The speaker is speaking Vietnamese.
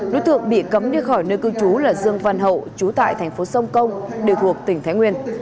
đối tượng bị cấm đi khỏi nơi cư trú là dương văn hậu chú tại thành phố sông công đều thuộc tỉnh thái nguyên